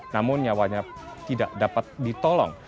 namun nyawanya tidak dapat ditolong